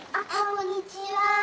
こんにちは。